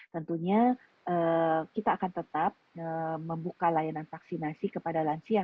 tentunya kita akan tetap membuka layanan vaksinasi kepada lansia